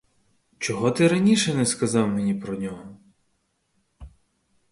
Чого ти раніше не сказав мені про нього?